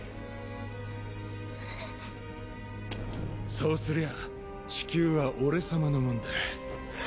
そうすりゃ地球は俺様のもんだ。